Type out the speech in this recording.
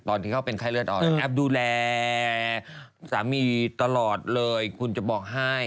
ตอนที่เขาเป็นไข้เลือดออกแอปดูแลสามีตลอดเลยคุณจะบอกให้